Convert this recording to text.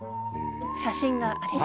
写真があります。